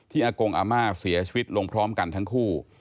อากงอาม่าเสียชีวิตลงพร้อมกันทั้งคู่